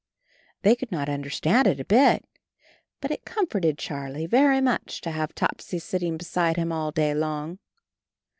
They could not understand it a bit. But it comforted Charlie very much to have Topsy sitting beside him all day long.